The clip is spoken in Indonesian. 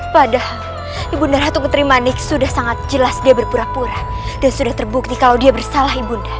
padahal ibunda ratu putri manik sudah sangat jelas dia berpura pura dan sudah terbukti kalau dia bersalah ibunda